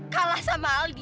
kalah sama aldi